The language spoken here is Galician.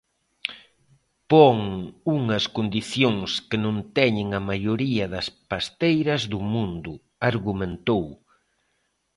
Pon unhas condicións que non teñen a maioría das pasteiras do mundo, argumentou.